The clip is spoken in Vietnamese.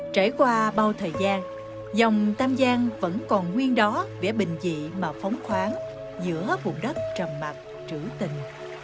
trải qua bao thời gian dòng tam giang vẫn còn nguyên đó vẻ bình dị mà phóng khoáng giữa vùng đất trầm mặt trữ tình